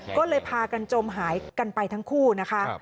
ก็เลยพากันจมหายกันไปทั้งคู่นะคะ